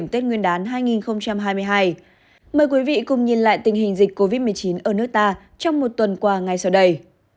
mời quý vị cùng nhìn lại tình hình dịch covid một mươi chín ở nước ta trong một tuần qua ngay sau đây